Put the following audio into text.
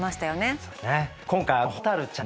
そうですね。